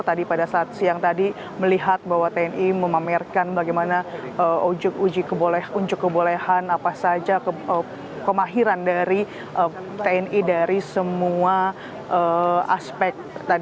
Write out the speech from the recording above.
tadi pada saat siang tadi melihat bahwa tni memamerkan bagaimana unjuk kebolehan apa saja kemahiran dari tni dari semua aspek